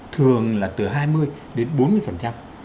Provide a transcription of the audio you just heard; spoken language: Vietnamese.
thường là từ hai mươi đến bốn mươi